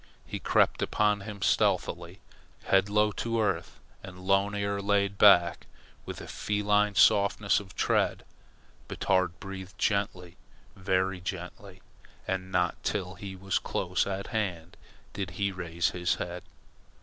He crept upon him stealthily, head low to earth and lone ear laid back, with a feline softness of tread. Batard breathed gently, very gently, and not till he was close at hand did he raise his head.